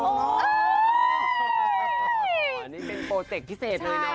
อันนี้เป็นโปรเจกตร์พิเศษเลยเนี่ย